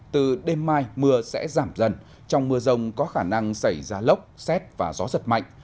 từ đêm mai mưa sẽ giảm dần trong mưa rông có khả năng xảy ra lốc xét và gió giật mạnh